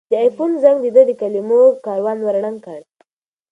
د آیفون زنګ د ده د کلمو کاروان ور ړنګ کړ.